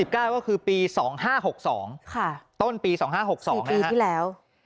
ก็คือปี๒๕๖๒ต้นปี๒๕๖๒ปีที่แล้ว